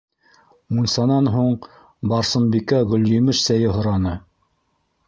Мунсанан һуң Барсынбикә гөлйемеш сәйе һораны: